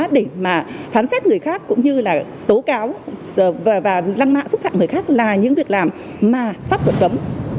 để mà phán xét người khác cũng như là tố cáo và lăn mạng xúc phạm người khác là những việc làm mà pháp luật cấm